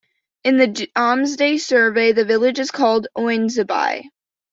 In the "Domesday" survey the village is called "Ounesbi".